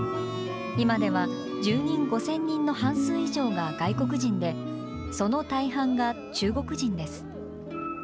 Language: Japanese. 今では住人５０００人の半数以上が外国人で、その大半が中国人です。